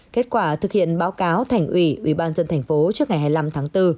kết quả thực hiện báo cáo thành ủy ủy ban dân thành phố trước ngày hai mươi năm tháng bốn